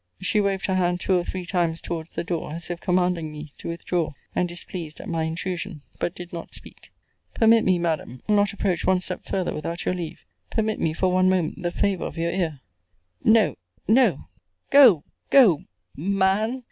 She waved her hand two or three times towards the door, as if commanding me to withdraw; and displeased at my intrusion; but did not speak. Permit me, Madam I will not approach one step farther without your leave permit me, for one moment, the favour of your ear! No no go, go, MAN!